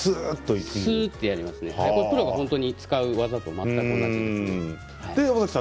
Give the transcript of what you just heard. プロが本当に使う技と全く同じです。